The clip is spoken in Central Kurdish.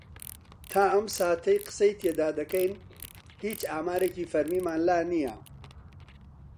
تا ئەم ساتەی قسەی تێدا دەکەین هیچ ئامارێکی فەرمیمان لا نییە.